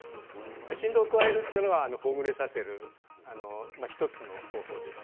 振動を加えるということはほぐれさせる１つの方法なんです。